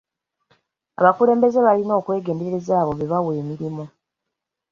Abakulembeze balina okwegendereza abo be bawa emirimu.